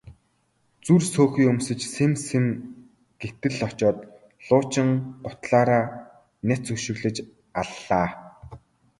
Зүр сөөхий өмсөж сэм сэм гэтэж очоод луучин гутлаараа няц өшиглөж аллаа.